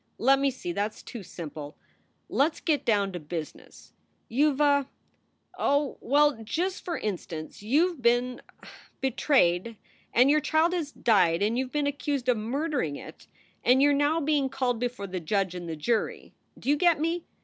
Let me see. That s too simple. Let s get down to business. "You ve a Oh well, just for instance, you ve been er betrayed and your child has died and you ve been accused of murdering it and you re now being called before the judge and the jury. Do you get me?